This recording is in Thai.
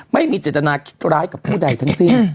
ไม่มีเจตนาคิดร้ายกับผู้ใดทั้งสิ้น